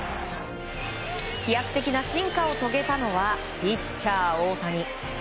飛躍的な進化を遂げたのがピッチャー大谷。